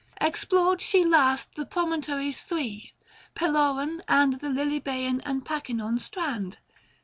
Explored she last The promontories three, Peloran and 535 The Lilybsean and Pachynon strand.